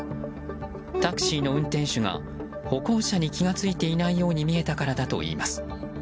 タクシーの運転手が歩行者に気が付いていないように見えたからだといいます。